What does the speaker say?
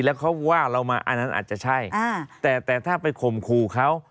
แล้วเขาว่าเรามาอันนั้นอาจจะใช่แต่แต่ถ้าไปข่มขู่เขา